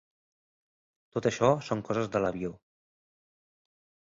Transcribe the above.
Tot això són coses de l'avior!